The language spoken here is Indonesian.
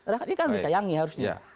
rakyat ini kan disayangi harusnya